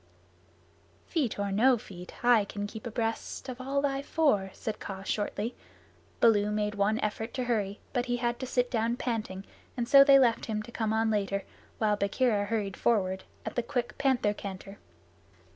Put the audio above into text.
"Feet or no feet, I can keep abreast of all thy four," said Kaa shortly. Baloo made one effort to hurry, but had to sit down panting, and so they left him to come on later, while Bagheera hurried forward, at the quick panther canter.